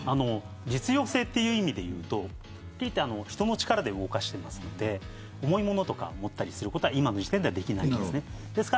実用性という意味で言うと人の力で動かしていますので重い物とか持ったりすることは今の時点ではできないです。